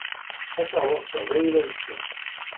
Takeṛṛust-a d ayla-nsent.